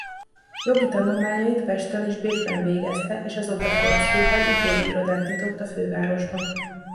Jogi tanulmányait Pesten és Bécsben végezte és azok befejeztével ügyvédi irodát nyitott a fővárosban.